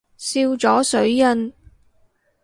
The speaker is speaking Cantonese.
笑咗水印